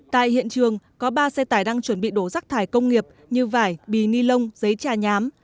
tại hiện trường có ba xe tải đang chuẩn bị đổ rắc thải công nghiệp như vải bì ni lông giấy trà nhám